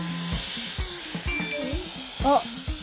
あっ。